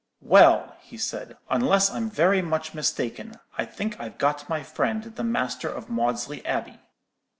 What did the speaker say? "'Well,' he said, 'unless I'm very much mistaken, I think I've got my friend the master of Maudesley Abbey.'